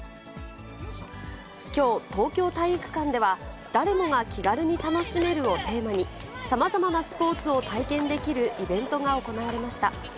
きょう、東京体育館では、誰もが気軽に楽しめるをテーマに、さまざまなスポーツを体験できるイベントが行われました。